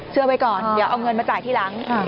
เชื่อไว้ก่อนเดี๋ยวเอาเงินมาจ่ายทีหลัง